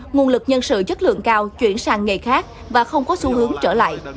nguồn lực nhân sự chất lượng cao chuyển sang nghề khác và không có xu hướng trở lại